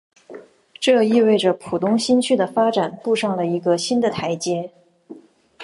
这意味着浦东新区的发展步上了一个新的台阶。